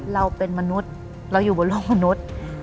เราเป็นมนุษย์เราอยู่บนโลกมนุษย์